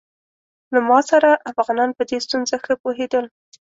له ما سره افغانان په دې ستونزه ښه پوهېدل.